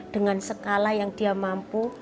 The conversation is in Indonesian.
dengan skala yang dia mampu